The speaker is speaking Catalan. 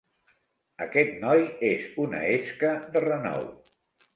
Aquest noi és una esca de renou.